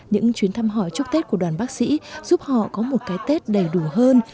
những chuyến thăm hỏi chúc tết của đoàn bác sĩ giúp họ có một cái tết đầy đủ hơn